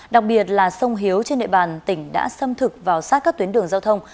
đặc biệt là sông hiếu trên địa bàn tỉnh đã xâm thực vào sát các tuyến đường giao thông